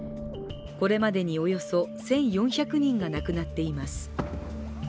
これまでにおよそ１４００人が亡くなっています。